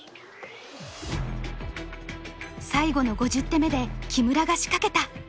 最後の５０手目で木村が仕掛けた。